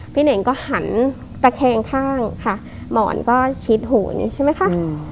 พี่เนกก็หันตะแคงข้างหมอนก็ชี้หูนใช่ไหมคะ